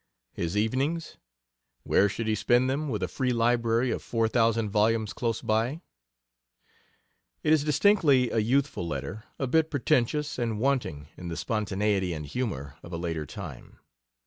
His evenings? Where should he spend them, with a free library of four thousand volumes close by? It is distinctly a youthful letter, a bit pretentious, and wanting in the spontaneity and humor of a later time.